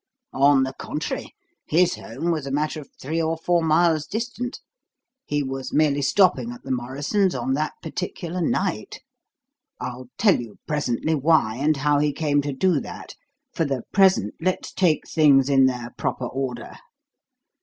"On the contrary. His home was a matter of three or four miles distant. He was merely stopping at the Morrison's on that particular night; I'll tell you presently why and how he came to do that. For the present, let's take things in their proper order.